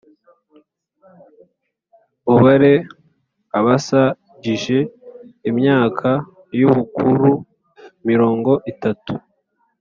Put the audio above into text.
Ubare abas gije imyaka y ubukuru mirongo itatu